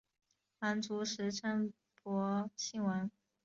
皇族时称博信王。